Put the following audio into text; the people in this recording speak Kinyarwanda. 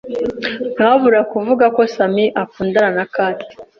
Ntawabura kuvuga ko Sammy akundana na Kathy.